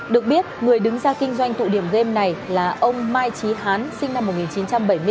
được biết người đứng ra kinh doanh tụ điểm game này là ông mai trí hán sinh năm một nghìn chín trăm bảy mươi bốn